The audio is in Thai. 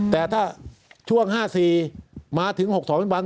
แต่ถ้าช่วง๕๔มาถึง๖๒ปัจจุบัน